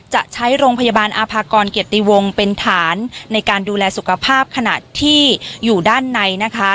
จะใช้โรงพยาบาลอาภากรเกียรติวงศ์เป็นฐานในการดูแลสุขภาพขณะที่อยู่ด้านในนะคะ